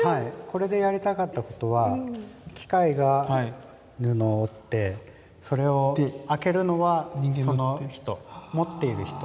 これでやりたかったことは機械が布を織ってそれを開けるのはその人持っている人。